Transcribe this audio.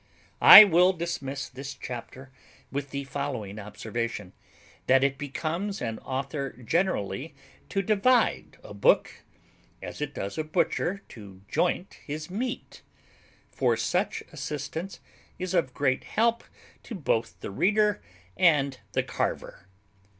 I will dismiss this chapter with the following observation: that it becomes an author generally to divide a book, as it does a butcher to joint his meat, for such assistance is of great help to both the reader and the carver.